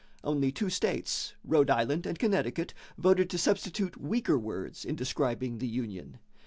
Only two states Rhode Island and Connecticut voted to substitute weaker words in describing the union.